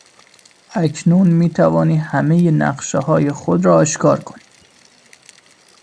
اکنون میتوانی همهی نقشههای خود را آشکار کنی.